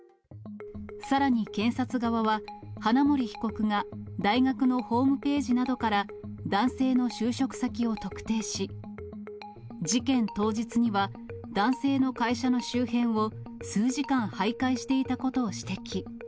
さらに検察側は、花森被告が大学のホームページなどから、男性の就職先を特定し、事件当日には、男性の会社の周辺を数時間はいかいしていたことを指摘。